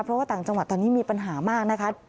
เพราะว่าต่างจังหวัดตอนนี้มีปัญหามากนะคะ